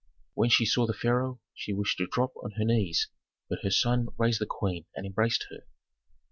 When she saw the pharaoh she wished to drop on her knees, but her son raised the queen and embraced her.